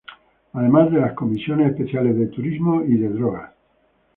Además de las Comisiones Especiales de Turismo; y de Drogas.